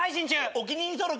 お気に入り登録。